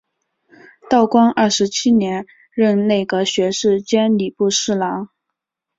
道光二十七年任内阁学士兼礼部侍郎。